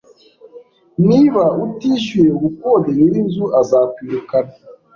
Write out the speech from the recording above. Niba utishyuye ubukode, nyirinzu azakwirukana